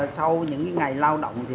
sau những ngày lao động